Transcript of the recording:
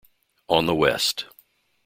On the West.